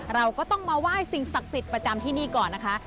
เราก็ต้องมาไหว้สิ่งศักดิ์สิทธิ์ประจำที่นี่ก่อนนะคะ